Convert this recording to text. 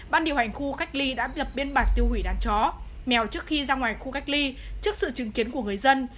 ban điều hành khu cách ly đã lập biên bản tiêu hủy đàn chó mèo trước khi ra ngoài khu cách ly trước sự chứng kiến của người dân